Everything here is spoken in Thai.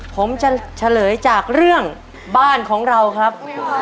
ผมจะเฉลยจากเรื่องบ้านของเราครับ